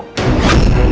ini salah nino